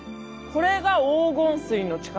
これが黄金水の力？